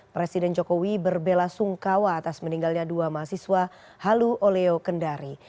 presiden jokowi berbela sungkawa atas meninggalnya dua mahasiswa halu oleo kendari